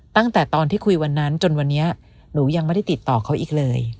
ตั้งแต่ตอนที่คุยวันนั้นจนวันนี้หนูยังไม่ได้ติดต่อเขาอีกเลย